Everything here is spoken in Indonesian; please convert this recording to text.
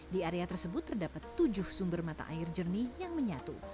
di area tersebut terdapat tujuh sumber mata air jernih yang menyatu